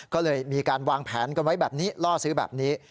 ก็เลยมีการวางแผนกันไว้แบบนี้ล่อซื้อแบบนี้